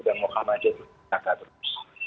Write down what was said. dan nu hamadiyah itu tetap tetap